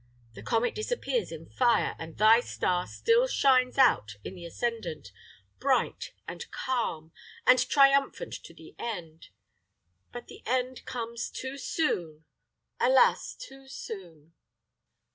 The comet disappears in fire, and thy star still shines out in the ascendant, bright, and calm, and triumphant to the end. But the end comes too soon alas! too soon."